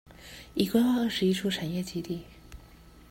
已規劃二十一處產業基地